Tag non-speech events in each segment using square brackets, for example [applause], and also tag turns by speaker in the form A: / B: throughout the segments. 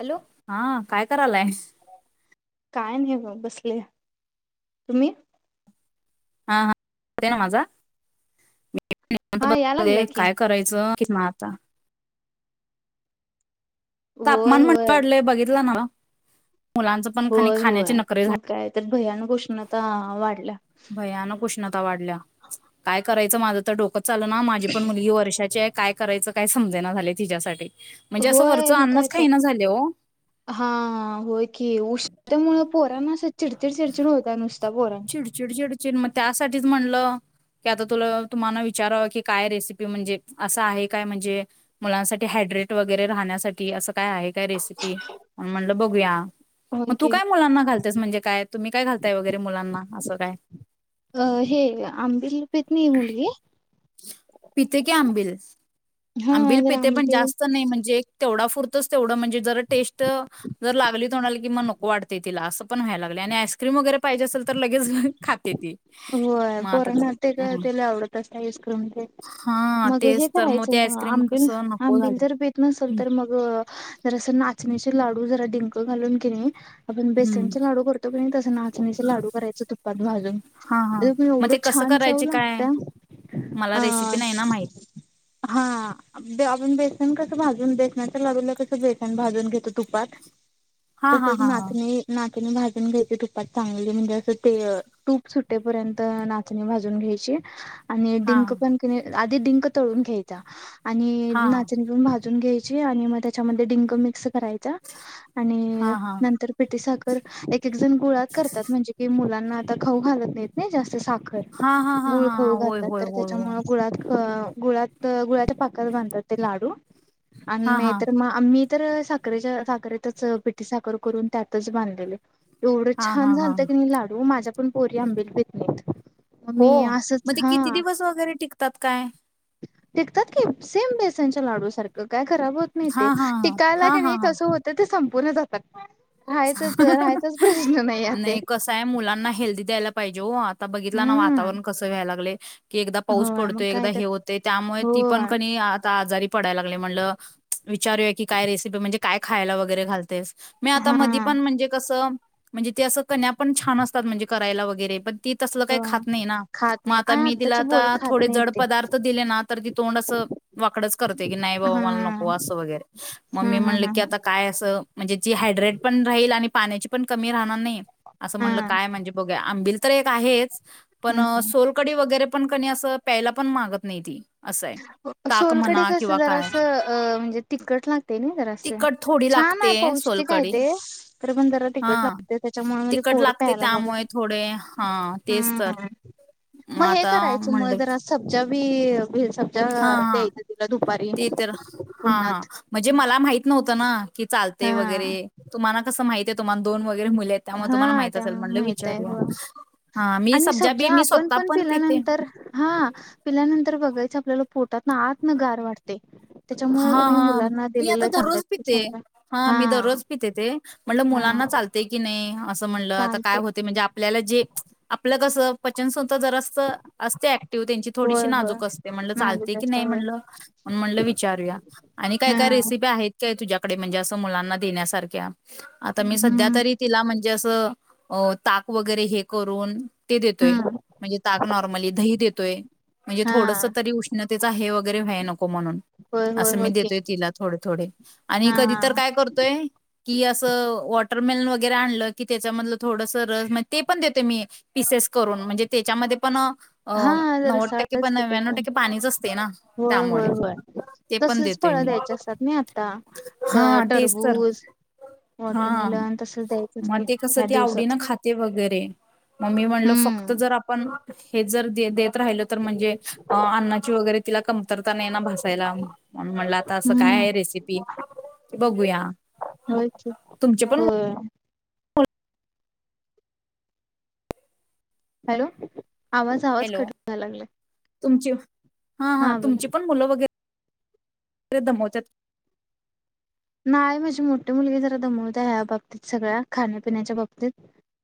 A: Hello
B: हा काय करायलाय
A: काय नाही ब बसले तुम्ही
B: हा हा होतय ना माझा निवांत
A: हा या
B: बसले
A: लागलाय की
B: काय करायचं कितना आता
A: होय
B: तापमान म्हण
A: होय
B: वाढलंय बघितलं नव्ह मुलांच पण कनी
A: होय
B: खाण्याची
A: होय
B: नकरे झाली
A: मग काय तर भयानक उष्णता वाढल्या
B: भयानक उष्णता वाढल्या काय कराय माझं तर डोकं चल ना माझी पण मुलगी वर्षाची आहे काय करायचं काय समजेना झाले तिच्यासाठी म्हणजे असं वर
A: होय काय तर हा होय की उष्णतेमुळे पोरना असं चिड चिड चिडचड होत्या नुसती
B: चिड चिड चिडचिड म त्यासाठीच म्हणलं की आता तु तुम्हाला विचारा की काय रेसिपी म्हणजे असं आहे काय म्हणजे मुलांसाठी हायड्रेट वगैरे राहण्यासाठी अस काय आहे काय रेसिपी म्हणल बघुया
A: होय
B: मग तू
A: की
B: काय मुलांना घालतेस म्हणजे काय तुम्ही काय घालताय वगैरे मुलांना असं काय
A: अ हे आंबिल पित नाही मुलगी
B: पिते कि आंबिल
A: हा
B: आंबिल
A: जरा
B: पिते पण
A: आंबिल
B: जास्त नाही म्हणजे तेवढा पुरतोच तेवढं म्हणजे जर टेस्ट जर लागली तोंडाला की मग नको वाटते तिला असं पण व्हाय लागलय आणि आईस्क्रीम वगैरे पाहिजे अस तर लगेच खाते ती
A: होय
B: मग
A: पोरांना ते
B: आता
A: त्याला आवडत अस य करून
B: हा
A: मग हे
B: तेच तर
A: करायचं
B: ते
A: मग
B: आईस्क्रीम
A: आंबिल
B: कसं नको
A: आंबिल
B: झालं.
A: जर पेत नसेल
B: हम्म
A: तर मग जर अस नाचणीचे लाडू जरा डिंक घालून केे नी आपण
B: हम्म.
A: बेसनचे लाडू करतो पण तसं नाचणीचे लाडू करायचे तुपात भाजून
B: हा
A: प
B: हा
A: [unintelligible]
B: मग
A: एवढं
B: ते कसं
A: छान चव
B: करायचे काय
A: लागत्या
B: मला रेसिपी
A: अ
B: नाही ना माहित
A: हा बेसन कस भाजून बेसनाच्या लाडूला कसं बेसन भाजून घेतो तुपात
B: हा हा
A: तसच
B: हा हा
A: नाचणी ना भाजून घ्यायच तुपात चांगल म्हणजे अस ते तूप सुट्टेपर्यंत नाचणी भाजून घ्यायची. आणि
B: हा
A: डिंक पण कनी डिंक तळून घ्यायचा. आणि
B: हा
A: नाचणी पण भाजून घ्यायची. आणि मग त्याच्यामध्ये डिंक मिक्स करायच
B: हा
A: आणि
B: हा हा
A: नंतर पिटी साखर एक एकजण गुळात करतात म्हणजे कि मुला ना आता खाऊ घालत नाहीत नाही जास्त साखर
B: हा हा
A: गुळ
B: हा हा
A: खाऊ
B: होय
A: घातात
B: होय
A: तर
B: होय होय
A: त्याच्यामुळे गुळात अ गुळात गुळाच्या पाकत बांधतात ते लाडू आणि
B: हा हा
A: नाहीतर मग आम्ही तर साखरेच्या साखरेतच पिठी साखर करून त्यातच बांधलेले. एवढं
B: हा हा
A: छान
B: हा
A: झालतं की नाय लाडू माझ्या पण पोरी आंबिल पित नाहीत. मग
B: हो
A: मी असंच
B: मग ते
A: हा
B: किती दिवस वगैरे टिकतात काय?
A: टिकतात की सेम बेसनच्या लाडू सारखं. काय खराब होत नाही
B: हा
A: ते
B: हा हा
A: टिकायला
B: हा
A: का
B: हा
A: नाही
B: हा
A: कस होतं ते पुणे जातात राहायच राहायचाच प्रश्न नाही. ते
B: नाही कसं आहे मुलांना हेल्दी द्यायला पाहिजे हो आता बघितला ना
A: हम्म
B: वातावरण कसं व्हायला लागले की एकदा पाऊस
A: होय मग
B: पडतोय
A: काय
B: एकदा
A: तर
B: हे होते त्यामुळे
A: हो
B: ती पण क आता आजारी पडाय लागली म्हणलं विचारूया की काय रेसिपी म्हणजे. काय खायला वगैरे घालतेस. मी आता
A: हा
B: मदीपण म्हणजे कसं म्हणजे ते असं कन्या पण छान असतात म्हणजे करायला वगैरे पण ती तसल काही
A: हो
B: खात नाही ना
A: खात
B: मग
A: नाही आ
B: आता मी तिला
A: आत्ताचे
B: आता
A: बोर खात
B: थोडे
A: नाही
B: जड
A: ते
B: पदार्थ दिले ना तर ती तोंड अस वाकडच करते की नाही
A: हा
B: बाबा मला नको अस वगैरे मग
A: हा
B: मी
A: हा
B: म्हणल
A: हा
B: की
A: हा
B: आता काय अस म्हणजे ती हायड्रेट पण राहील आणि पाण्याची पण कमी राहणार नाही. अस म्हणल
A: हा
B: काय म्हणजे बघ आंबि [inaudible] एक आहेच. पण
A: हम्म
B: सोलकडी वगैरे, पण कनी अस प्यायला पण मागत नाही ती असं आहे ताक
A: सोलकडे
B: म्हणा
A: कस
B: किंवा
A: जरा
B: काय
A: असं म्हणजे तिखट लागते जरा असं
B: तिखट थोडी
A: छान
B: लागते
A: आहे पौष्टिक आहे ते तर पण जरा
B: हा
A: तिकट लागते त्याच्यामुळे म्हणजे
B: तिकट
A: पोर
B: लागते
A: प्यायला बघत
B: त्यामुळे थोडे हा तेच तर
A: हम्म
B: म
A: मग हे
B: आता
A: करायचं मग
B: म्हणले.
A: [inaudible] [unintelligible]
B: हा हा
A: द्यायचं तिला दुपारी
B: ते तर हा हा
A: उन्हात
B: म्हणजे मला माहित नव्हतं ना की चालते
A: हा
B: वगैरे तुम्हाला कसं माहित [inaudible] दोन वगैरे मुले आहेत त्यामुळे तुम्हाला
A: हा
B: माहित
A: त्या
B: असेल म्हणलं
A: माहित आहे
B: विचारूया.
A: हो
B: हां मी
A: आणि
B: सब्जा बी
A: सबजा
B: मी
A: आपण
B: स्वतः
A: पण
B: पिते.
A: पिल्यानंतर हा पिल्यानंतर बघायचं आपल्याला पोटात ना आत न गार वाटते. त्याच्यामुळे
B: हा
A: कणी
B: हा
A: मुलांना
B: मी आता
A: दिलेलं चांगलं
B: दररोज पिते.
A: समजा
B: हा मी दररोज पिते, ते म्हणलं
A: हा
B: मुलांना चालते की नाही अस, म्हणलं आता काय
A: चालते
B: होते म्हणजे आपल्याला जे आपल कस पचन जर अस असते ऍक्टिव्ह त्यांची
A: होय
B: थोडीशी
A: होय
B: नाजूक असते. म्हणल
A: नाजूक
B: चालते की
A: जास्त
B: नाही
A: होय
B: म्हणल, म्हणल वि [unintelligible] आणि काही
A: हा
B: काही रेसिपि आहेत. तुझ्याकडे म्हणजे असं मुलांना देण्यासारख्या. आता मी सध्या
A: हम्म
B: तरी तिला म्हणजे अस ताक वगैरे हे करून, ते देतोय.
A: हम्म
B: म्हणजे ताक नॉर्मली दही देतोय. म्हणजे
A: हा
B: थोडस तरी उष्णतेचा हे वैगरे व्हयला नको म्हणून
A: होय होय
B: अस मी
A: होय की
B: देतोय तिला थोडे थोडे आणि
A: हा
B: कधी तर काय करतोय. कि अस वॉटरमेलन वगैरे आणल की त्याच्यामधल थोडस रस म्हणजे ते पण देते मी पिसेस करून म्हणजे त्याच्यामध्ये पण अ
A: हा जरा
B: नव्वद टक्के
A: रसाळच
B: पण
A: कि ते
B: नव्यानवू टक्के पाणीच असते ना
A: होय होय
B: त्यामुळे.
A: होय
B: ते पण
A: तसलीच
B: देत
A: फळं
B: मी
A: द्यायची असतात नाही आता क
B: हा तेच तर
A: टरबूज
B: हा
A: वॉटरमेलन तसच द्यायचं
B: मग
A: असते
B: ते कस
A: ह्या
B: ती आवडी
A: दिवसात
B: ने खाते वगैरे मग मी म्हणल फक्त
A: हम्म
B: जर आपण हे जर देत देत राहिल तर म्हणजे अन्नाची वगैरे तिला कमतरता नाही. [unintelligible] म्हणल आता अस काय
A: हम्म
B: आहे रेसिपी बघूया.
A: होय की
B: तुमचे पण
A: होय हॅलो. आवाज आवाज
B: हॅलो
A: कट व्हायला लागलाय.
B: तुमची हा हा तुमची पण मुलं वगैरे लई दमवत्यात
A: नाही माझी मोठी मुलगी जरा दमवत्या ह्या बाबतीत सगळ्या खाण्यापिण्याच्या बाबतीत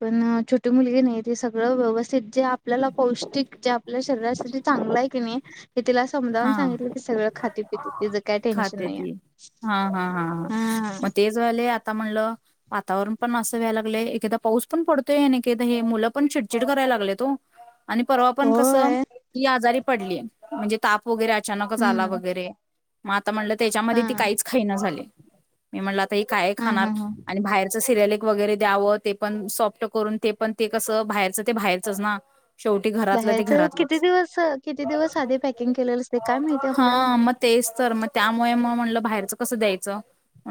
A: पण छोटी मुलगी नाही ती सगळं व्यवस्थित जे आपल्याला पौष्टिक जे आपल्या शरीरासाठी चांगलं आहे की नाही हे तिला समजावून
B: हा
A: सांगितलं की ती सगळं खाती पीती तिचं काही टेन्शन नाही
B: ह
A: आहे
B: हा मग ते झाले आता म्हणलं वातावरण पण असं व्हायला लागलय एकेकदा पाऊस पण पडतोय आणि एकेकदा हे मुलं पण चिडचिड करायला लागलेत ओ आणि परवा पण कसं
A: होय
B: ही आजारी पडली ताप वगैरे अचानकच आला
A: हम्म
B: वगैरे म आता आता म्हणलं
A: हा
B: त्याच्यामध्ये ती काहीच खाईना झालीये मी म्हणल आता ही काय
A: हा
B: खाणार
A: हा हा
B: आणि बाहेरच सिरियल एक वगैरे द्यावं ते पण सॉप्ट करून ते पण ते कस बाहेरचं ते बाहेरचच ना शेवटी घरातलं ते
A: बाहेरच
B: घरातलंच
A: किती दिवस किती दिवस आधी पॅक
B: हा मग तेच तर मग त्यामुळे मग म्हटलं बाहेरच कसं द्यायचं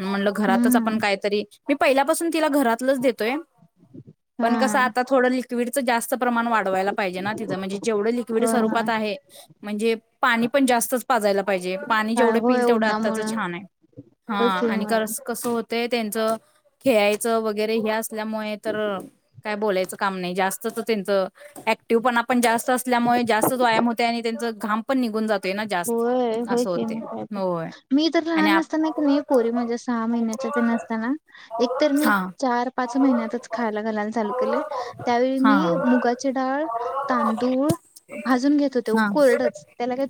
B: म्हणलं घरातच आपण
A: हम्म
B: काहीतरी मी पहिल्यापासून तिला घरात लच देतोय
A: हा
B: पण कसं आता थोडं [inaudible] [unintelligible] प्रमाण वाडवायला पाहिजे ना तिज म्हणजे जेवढे लिक्विड
A: होय
B: स्वरूपात आहे म्हणजे पाणी पण जास्तच पाजायला पाहिजे पाणी जेवढं
A: होय होय
B: पिल तेवढं आत्ताचं
A: उन्हामुळं
B: छान आहे हा
A: होय की
B: आणि
A: होय
B: कसं हो ते त्यांचं खेळायचं वगैरे ह ल्यामुळे तर काय बोलायचं का नाही जास्त त्यांच क्टिव पणण जास्त असल्यामुळे जास्त व्यायाम हो आणि त्यांच गा
A: होय होयच मग काय तर
B: होय
A: मी तर
B: आणि
A: लहान
B: आप
A: असताना की नाही पोरी म्हझ्या सहा महिन्याच्या ते नसताना एकतर मी
B: हा
A: चार पाच महिन्यातच खायला घालायला चालू केले त्यावेळी
B: हा
A: मी मुगाची डाळ तांदूळ भाजून घेत होते
B: हा हा
A: कोरडच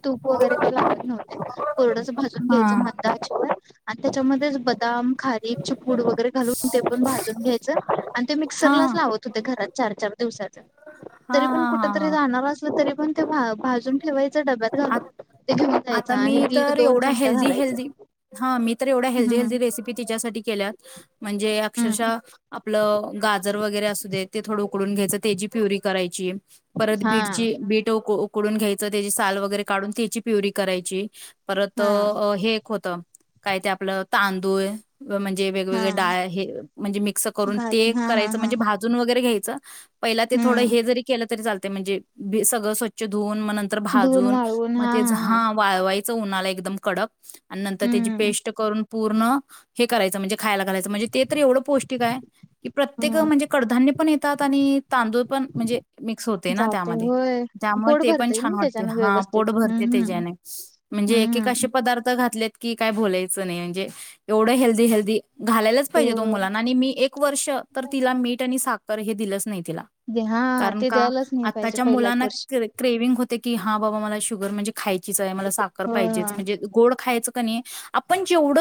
A: तूप वगैरे ते लात नव्हत कोरडाच भाजून घ्यायचं
B: हा
A: मदाचीवर आणि त्याच्यामध्येच बदाम खारीप चिपूड वगैरे घालून ते पण भाजून घ्यायचं आणि ते
B: हा
A: मिक्सरलाच लावत होते र चार चार दिवसाचं
B: हा हा
A: तरी पण कुठ तरी
B: हा
A: जाणार असल तरी पण ते भा भाजून ठेवांयच ड
B: आत आता मी
A: दीड
B: तर
A: दोन
B: एवढ्या
A: चमचा
B: हेल्दी,
A: घालायचा.
B: हेल्दी, हा मी तर एवढ्या हेल्दी, हेल्दी,
A: हम्म.
B: रेसिपी तिच्यासाठी केल्यात, म्हणजे
A: हम्म
B: अक्षरशः आपलं गाजर, वगैरे असू दे ते थोडं ऊ कडून घ्यायच त्याची प्युरी करायची. परत
A: हा.
B: बीटची बीट ऊक डून घ्यायचं त्याची साल व गैरे काडून त्याची प्युरी करायची. परत
A: हा
B: हे! होत काय ते आपलं तांदूळ. म्हणजे वेगवेगळे
A: हा
B: डाळ हे म्हणजे मिक्स करून ते
A: घालून हा हा
B: करायचं
A: हा.
B: म्हणजे भाजून वगैरे घ्याय च पहिला ते थोडं
A: हम्म
B: हे जरी केल तरी चाल म्हणे बे सगळ स्वचछ धुवून मन नंतर भाजून मग तेच हा वाळ वायचं उन्हाला एकदम कडक. आणि नंतर त्याची
A: हम्म.
B: पेस्ट करून पूर्ण हे करायचं म्हणजे खायला घालायच म्हणजे, ते तर एवढ पौष्टिक आहे की प्रत्येक
A: हम्म.
B: म्हणजे कडधान्य पण येतात, आणि तांदूळ पण म्हणजे मिक्स होते ना
A: जाते
B: त्यामध्ये
A: होय
B: त्यामुळे
A: पोट
B: ते पण
A: भरतय ना
B: छान वाटते
A: त्याच्यान
B: हा.
A: व्यवस्थित.
B: भरते
A: हम्म
B: त्याच्या
A: हम्म.
B: ने म्हणजे एकेक
A: हम्म.
B: असे पदार्थ घातल्यात की काय बोलायचं नाही. म्हणजे एवढं हेल्दी हेल्दी घालायलाच
A: हो
B: पाहिजे त ओ मुलांना आणि मी एक वर्ष तर तिला मीठ आणि साख खर हे दिलंच नाही.
A: हा
B: कारण
A: ते
B: का
A: द्यायलाच नाही पाहिजे
B: आच्या
A: पहिला एक
B: मुलांना
A: वर्ष.
B: क्रेविंग होते की हा बाबा मला शु गर म्हजे खायचीच आहे मला साखरं
A: होय
B: पाहिजेच
A: होय.
B: म्हणजे गोड खायचं का नी आपण जेवड,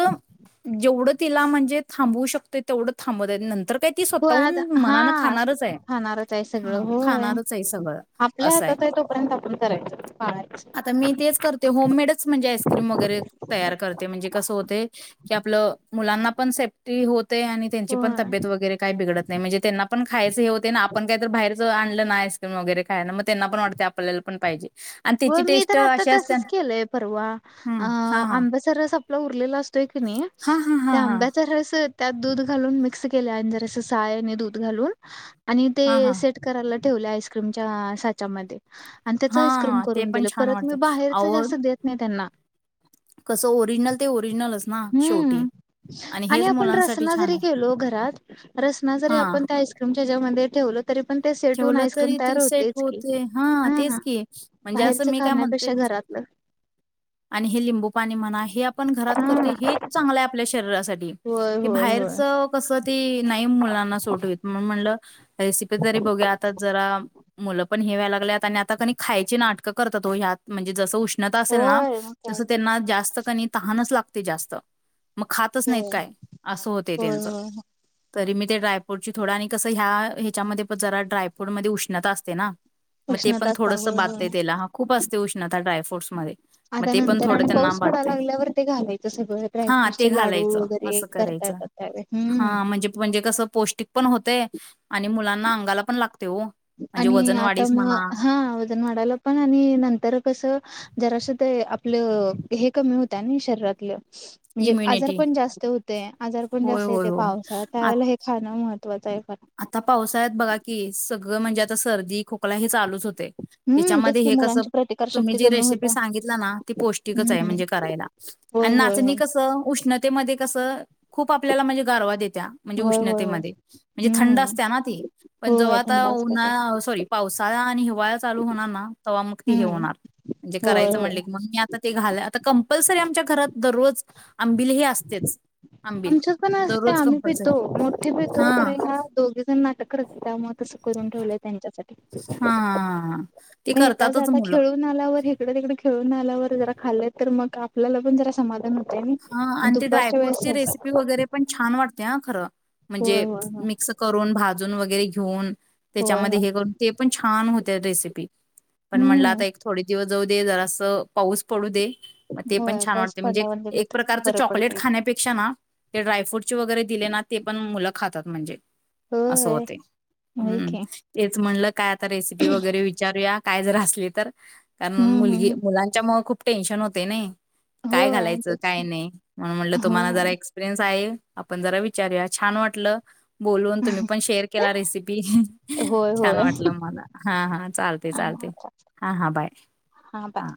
B: जेवड तिला म्हणजे थांबू शकतय तेवड थांबवता येत नंतर काय ती
A: हो आता
B: स्वतःहून मनानं
A: हा
B: खाणारच आहे.
A: खाणारच आहे सगळं
B: हा
A: होय,
B: खाणारच आहे सगळं
A: आपल्या
B: असं
A: हातात आहे तोपर्यंत आपण करायच पाळा
B: आता मी तेच करते, होममेडच म्हणजे आईस्क्रीम वगैरे तयार करते, म्हणजे कसं होतय की आपलं मुलांना पण सेफ्टी होत आणि त्यांची पण
A: होय
B: तब्येत वगैरे काही बिघडत नाही म्हणजे त्यांना पण खायचं हे होते ना आपण काही तर बाहेर. आणलं ना आईस्क्रीम, वगैरे काय ना मग त्यांना पण वाटते आपल्याला पण पाहिजे. आणि त्याची
A: हो मी
B: टेस्ट
A: तर आता
B: अशी असते
A: तसच
B: ना
A: केलंय परवा अ
B: हं, हा हा
A: आंब्या चा रस आपला उरलेला असतोय की नाही
B: हा हा
A: तर
B: हा हा
A: आंब्याचरस त्यात दूध घालून मिक्स केले अ जरसं सायने दूध घालून आणि ते
B: हा
A: सेट करायला ठेवल्या आईस्क्रीमच्या साच्यामध्ये आणि त्या
B: हा
A: विक्रम
B: हा ते
A: करून
B: पण
A: दिलं
B: छान
A: परत मी
B: वाटते
A: बाहेरच
B: अहो
A: जास्त देत नाही त्यांना
B: कसं ओरिजिनल ते ओरिजिनलच ना शेवटी
A: हम्म आणि
B: हेच
A: आपण
B: मुलांसाठी
A: रसना
B: छान
A: जरी
B: आहे
A: गलो घरात रसना जरी
B: हा
A: आपण त्या आईक्रीम च्या मंदर तेेवत तरी पण ते सेटून
B: ठेवलं
A: आईस्क्रीम
B: तरी
A: तयार
B: ते सेट
A: होतेच की
B: होते. हां, तेच
A: हा
B: की. म्हणजे असं
A: बाहेरच
B: मी काय म्हणते
A: खाण्यापेक्षा घरातलं.
B: आणि हे लिंबू पाणी म्हणा हे आपण घरात करत
A: हा.
B: हे चांगलं आहे आपल्या च
A: होय होय
B: बा
A: होय.
B: क नाही मुलाना सो म्ह बघ ज मु पण लागत आ खायची नाटकं करतातत म्हणजे ज
A: होय मग काय
B: तस
A: तर.
B: त्यांना जास्त तच ला ते जास्त मग खातच नाहीत
A: होय
B: काय, असं होतय
A: होय
B: त्यांचं
A: होय
B: तरी मी ते ड्रायप्रूट थोडं आणि कसं ह्या ह्याच्यामध्ये जरा ड्रायफ्रूट मध्ये उष्णत असते ना मग ते पण
A: उष्णताचा होय
B: थोडसं बधतेय
A: होय.
B: त्याला हा खूप असते उष्णता ड्रायफ्रूट्स मध्ये मग
A: आता
B: ते पण
A: नंतर
B: थोडं
A: आणि
B: त्यांना
A: पाऊस पडायला
B: बधतेय
A: लागल्यावर ते घालायचं सगळं
B: हा ते
A: ड्रायफ्रूटचे लाडू
B: घालायचं
A: वगैरे
B: असं
A: करता
B: करायचं
A: येतात त्यावेळी. हम्म
B: हा म्हणजे म्हणजे कसं पौष्टिक पण होतय आणि मुलांना अंग अंगाला पण लाग
A: आणि आता म हा वजन वाढाला पण आणि नंतर कस जरा ते आपलं हे कमी होतं, ना शरीरातलं म्हणजे आजार
B: इम्युनिटी
A: पण जास्त होतय, आजार पण
B: होय
A: जास्त
B: होय
A: येते
B: होय.
A: पावसा त्यावेळेला हे खाणं मह महत्वाचा हाय
B: आता पावस आहेत बघा की सगळं म्हणजे सर्दी खोकला हे लू
A: हम्म
B: त्या
A: तेच की मुलांची
B: तु
A: प्रतिकारशक्ती कमी
B: र सित
A: होता.
B: पष्ट
A: हम्म
B: म्हणज करा
A: होय होय होय
B: क कस खूप आपल्याला म्हणजे गारवा देत म्हणजे
A: होय होय होय
B: उष्णतेमध्ये म्हणजे थंड
A: हम्म
B: असते ना ती पण
A: होय
B: जेव्हा
A: थंडाच प्रकार
B: आता सॉरी पावसाळा आणि हिवा चालू होणार
A: हम्म
B: तेव्हागणारणे
A: होय
B: करायच
A: होय
B: म्ह आमच्या घ दज आंबिलेही असतेच आंबिल
A: आमच्याच पण असते
B: दररोज
A: आम्ही पितो
B: कंपल्सरी
A: मगठी
B: हा
A: पितोराय दोघे जण ना म त करून ठेवलंय त्यांच्यासाठी
B: हा हा हा ते
A: मग येताच
B: करतातच
A: आता
B: मुलं
A: खेळून आल्यावर इकडं तकड खेळून आल्यावर जरा खाल्ल तर मग आपल्याला पण जरा समाधान हो आणि दुपारच्या वेळेस
B: ी वगैरे पण छान वाते ह खं
A: होय
B: म्हणजे
A: होय होय
B: मिक्स करून अजून वगैरे घेऊन
A: होय होय
B: त्याच्यामध्ये हे करून ते पण छान हो रेसिपी पण म्हणलं
A: हम्म
B: आता एक थोडे दिवस ज दे जरास पाऊस पडू दे मग ते पण
A: होय
B: छान
A: पाऊस
B: वाटते म्हणजे
A: पडल्यावर गेलं
B: एक
A: तर
B: प्रकारचं
A: बरं
B: चॉकलेट
A: पडतय
B: खाण्यापेक्षा ना ते ड्रायफ्रूटचे वगैरे दिले ना ते पण मुलं खातात म्हणजे असं
A: होय
B: होते
A: होय
B: हम्म
A: की
B: तेच म्हणलं काय आता रेसिपी वगैरे विचारूया काय जर असली तर कारण
A: हम्म
B: मुलगी
A: हम्म
B: मुलांच्या म खूप टनशन होते ना
A: होय आणख
B: म्हणून म्हटलं तुम्हाला जरा एक्सपिरियन्स आपण जरा विचारूया छान वाटलं बोलून तुम्ही पण शेअर केला रेसिपी
A: होय
B: छान
A: होय
B: वाटलं मला हा हा चालते
A: हा
B: चालते हा हां बाय
A: बाय
B: हा